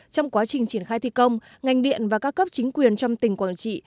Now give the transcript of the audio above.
trong quá trình triển khai thi công ngành điện và các cấp chính quyền trong tỉnh quảng trị